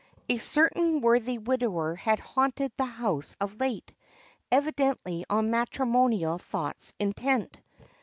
A certain worthy widower had haunted the house of late, evidently on matrimonial thoughts intent.